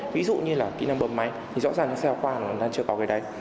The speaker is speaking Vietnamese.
ví dụ như là kỹ năng bấm máy thì rõ ràng những xe khoa đang chưa có